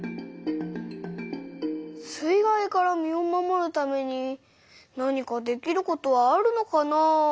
水害から身を守るために何かできることはあるのかなあ？